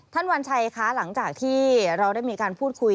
วัญชัยคะหลังจากที่เราได้มีการพูดคุย